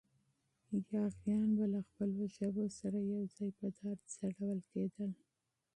یاغیان به له خپلو ژبو سره یو ځای په دار ځړول کېدل.